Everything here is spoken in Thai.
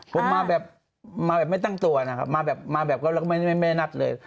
ผมมาแบบไม่ตั้งตัวนะครับมาแบบก็ไม่นัทเลย